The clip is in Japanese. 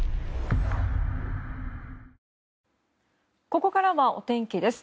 ここからはお天気です。